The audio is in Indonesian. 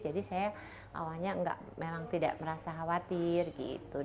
jadi saya awalnya memang tidak merasa khawatir gitu